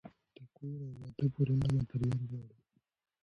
د کور او واده پورونه مدیریت غواړي.